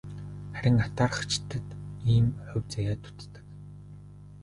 Харин атаархагчдад ийм хувь заяа дутдаг.